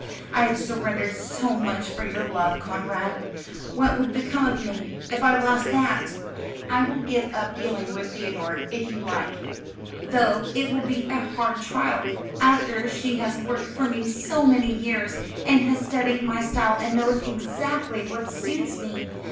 I have surrendered so much for your love, Conrad. What would become of me, if I lost that? I will give up dealing with Theodore, if you like though it will be a hard trial, after she has worked for me so many years, and has studied my style and knows exactly what suits me.